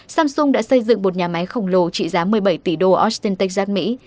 samsung đã xây dựng một nhà máy khổng lồ trị giá một mươi bảy tỷ đô austin texas mỹ